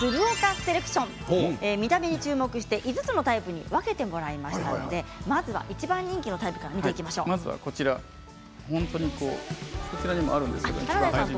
セレクション見た目に注目して５つのタイプに分けてもらいましたのでまずは一番人気のタイプからまず、こちらですね。